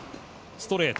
ストレート。